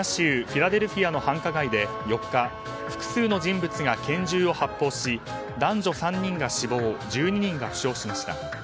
フィラデルフィアの繁華街で４日複数の人物が拳銃を発砲し男女３人が死亡１２人が負傷しました。